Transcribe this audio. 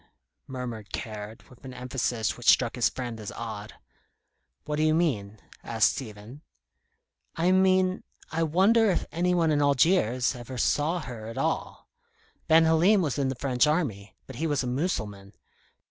murmured Caird, with an emphasis which struck his friend as odd. "What do you mean?" asked Stephen. "I mean, I wonder if any one in Algiers ever saw her at all? Ben Halim was in the French Army; but he was a Mussulman.